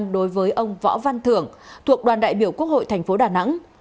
đối với ông võ văn thưởng thuộc đoàn đại biểu quốc hội tp đà nẵng